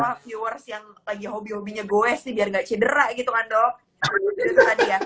buat viewers yang lagi hobi hobinya goes nih biar gak cedera gitu kan dok